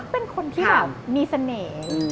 เป็นคนที่แบบมีเสน่ห์